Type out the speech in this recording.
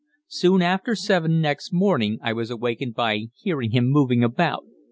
Soon after seven next morning I was awakened by hearing him moving about.